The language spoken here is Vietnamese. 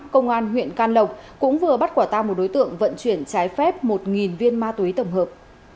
hai trăm ba mươi tám công an huyện can lộc cũng vừa bắt quả ta một đối tượng vận chuyển trái phép một viên ma tuy tổng hợp